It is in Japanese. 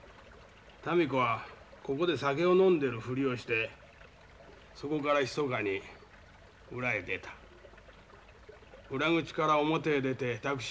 民子はここで酒を飲んでるふりをしてそこからひそかに裏へ出た。